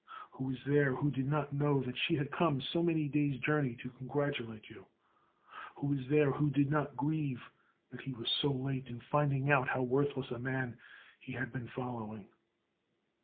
who was there who did not know that she had come so many days' journey to congratulate you? who was there who did not grieve that he was so late in finding out how worthless a man he had been following?